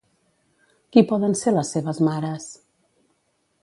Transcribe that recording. Qui poden ser les seves mares?